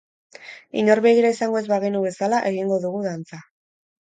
Inor begira izango ez bagenu bezala egingo dugu dantza.